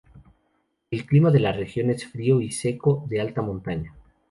El clima de la región es frío y seco, de alta montaña.